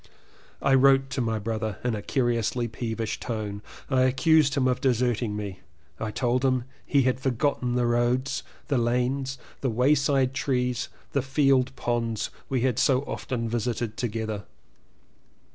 I wrote to my brother in a curiously peevish tone. I accused him of deserting me. I told him he had forgotten the roads, the lanes, the wayside trees, the field ponds we 240 LLEWELLYN POWYS had so often visited together.